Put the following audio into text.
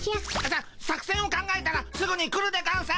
さ作戦を考えたらすぐに来るでゴンス！